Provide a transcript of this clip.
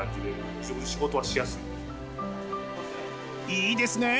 いいですね。